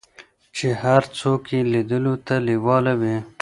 چې هر څوک یې لیدلو ته لیواله وي.